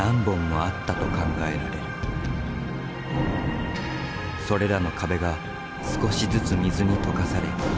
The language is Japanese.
それらの壁が少しずつ水に溶かされやがて合流する。